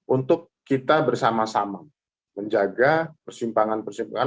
untuk kita bersama sama menjaga persimpangan persimpangan